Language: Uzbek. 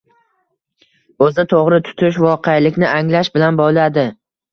O‘zni to‘g‘ri tutish voqelikni anglash bilan bo‘ladi.